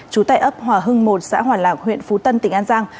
chú tại ấp hòa hưng một xã hoàn lạc huyện phú tân tỉnh an giang